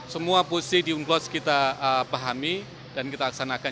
semua posisi di unclosed kita pahami dan kita aksanakan